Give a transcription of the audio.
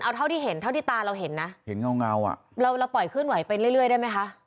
เอาเท่าที่เห็นเท่าที่ตาเราเห็นนะเห็นเงาอ่ะเราเราปล่อยเคลื่อนไหวไปเรื่อยได้ไหมคะ